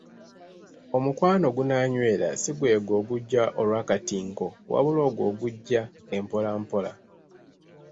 Omukwano ogunaanywera si gwegwo ogujja olw'akatinko, wabula ogwo ogujja empola mpola.